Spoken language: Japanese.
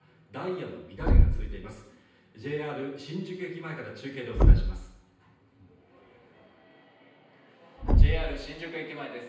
新宿駅前から中継でお伝えします